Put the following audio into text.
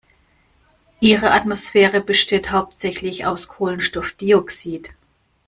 Ihre Atmosphäre besteht hauptsächlich aus Kohlenstoffdioxid.